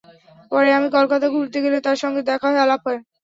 পরে আমি কলকাতা ঘুরতে গেলে তার সঙ্গে দেখা হয়, আলাপ হয়।